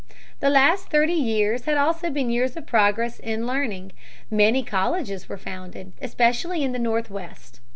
The last thirty years had also been years of progress in learning. Many colleges were founded, especially in the Northwest.